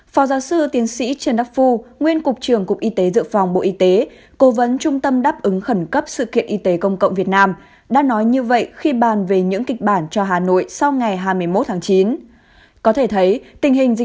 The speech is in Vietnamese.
phó giáo sư tiến sĩ trần đắc phu nguyên cục trưởng cục y tế dự phòng bộ y tế cố vấn trung tâm đáp ứng khẩn cấp sự kiện y tế công cộng việt nam đã nói như vậy khi bàn về những kịch bản cho hà nội sau ngày hai mươi một tháng chín